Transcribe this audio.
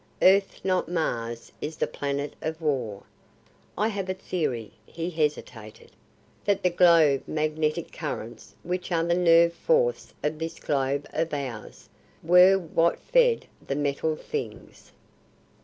Earth not Mars is the planet of war. I have a theory" he hesitated "that the magnetic currents which are the nerve force of this globe of ours were what fed the Metal Things.